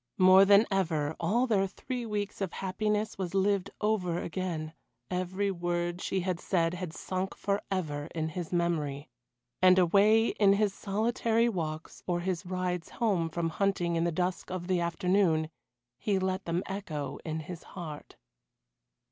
More than ever all their three weeks of happiness was lived over again every word she had said had sunk for ever in his memory. And away in his solitary walks, or his rides home from hunting in the dusk of the afternoon, he let them echo in his heart.